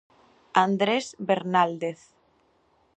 Andrés Bernáldez.